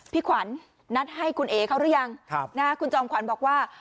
พี่ขวัญนัดให้คุณเอ๋เขาหรือยังคุณจอมขวัญบอกว่า